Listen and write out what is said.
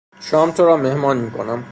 شام تو را مهمان میکنم.